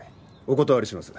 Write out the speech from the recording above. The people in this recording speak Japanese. お断りします。